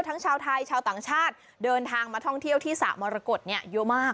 ชาวไทยชาวต่างชาติเดินทางมาท่องเที่ยวที่สระมรกฏเนี่ยเยอะมาก